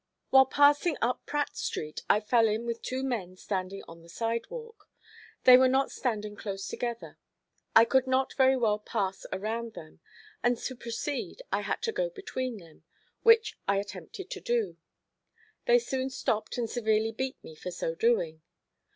While passing up Pratt Street I fell in with two men standing on the sidewalk. They were not standing close together. I could not very well pass around them, and to proceed I had to go between them, which I attempted to do. They soon stopped and severely beat me for so doing.